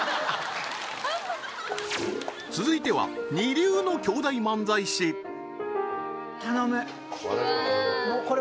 続いては二流の兄弟漫才師頼む